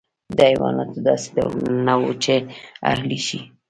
د حیواناتو داسې ډولونه نه وو چې اهلي شي.